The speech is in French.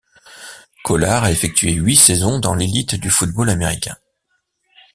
Kollar a effectué huit saisons dans l'élite du football américain.